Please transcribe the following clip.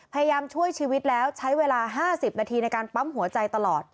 พยายามช่วยชีวิตแล้วใช้เวลา๕๐นาทีในการปั๊มหัวใจตลอด